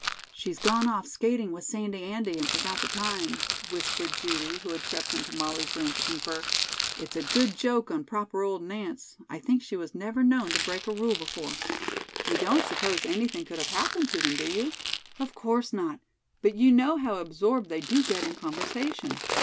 "She's gone off skating with Sandy Andy and forgot the time," whispered Judy, who had crept into Molly's room to confer. "It's a good joke on proper old Nance. I think she was never known to break a rule before." "You don't suppose anything could have happened to them, do you?" "Of course not. But you know how absorbed they do get in conversation.